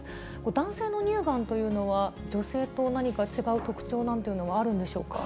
男性の乳がんというのは、女性と何か違う特徴なんていうのはあるんでしょうか。